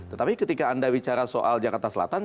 tetapi ketika anda bicara soal jakarta selatan